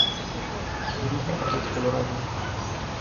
Turismo Los Colorados